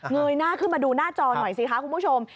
ยหน้าขึ้นมาดูหน้าจอหน่อยสิคะคุณผู้ชม